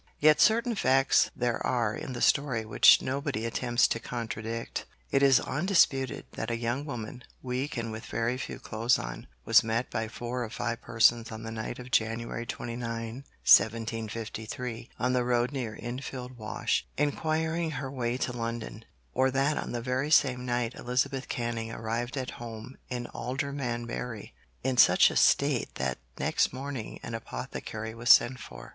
Yet certain facts there are in the story which nobody attempts to contradict. It is undisputed that a young woman, weak and with very few clothes on, was met by four or five persons on the night of January 29, 1753, on the road near Enfield Wash, inquiring her way to London, or that on the very same night Elizabeth Canning arrived at home in Aldermanbury, in such a state that next morning an apothecary was sent for.